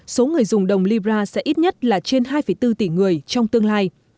số người dùng đồng libra sẽ ít nhất là trên hai bốn tỷ người trong tương lai